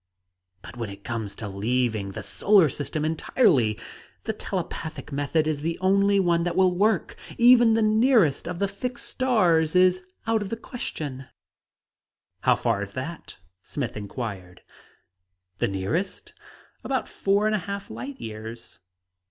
"But when it comes to leaving the solar system entirely the telepathic method is the only one that will work; even the nearest of the fixed stars is out of the question." "How far is that?" Smith inquired. "The nearest? About four and a half light years."